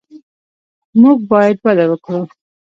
موږ باید وده ورکړو.